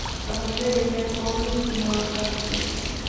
La familia vivía en Cornish, Nueva Hampshire.